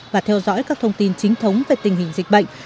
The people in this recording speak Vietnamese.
và theo dõi các thông tin chính thống về tình hình dịch bệnh